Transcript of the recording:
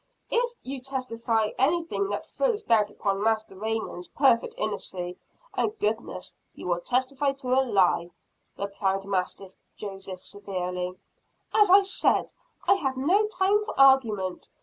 "If you testify to anything that throws doubt upon Master Raymond's perfect innocency and goodness, you will testify to a lie," replied Master Joseph severely. "As I said, I have no time for argument.